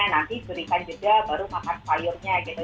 nanti curikan jeda baru makan sayurnya gitu